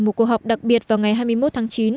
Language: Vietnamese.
một cuộc họp đặc biệt vào ngày hai mươi một tháng chín